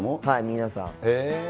はい、皆さん。